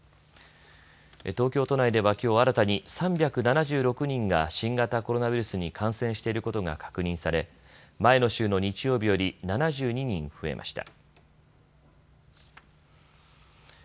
東京都内ではきょう新たに３７６人が新型コロナウイルスに感染していることが確認され前の週の日曜日より７２人増えました。